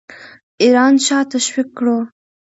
ایران شاه تشویق کړو.